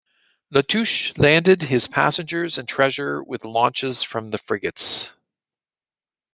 Latouche landed his passengers and treasure with launches from the frigates.